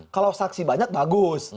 kalau saksi banyak bagus